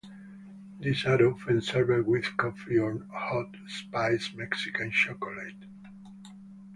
These are often served with coffee or hot spiced Mexican chocolate.